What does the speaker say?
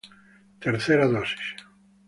Tercera dosis